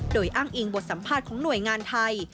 โดยอ้างอิงบทสัมภาษณ์ของหน่วยงานไทย